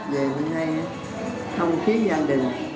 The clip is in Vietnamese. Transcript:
về hôm nay không khí gia đình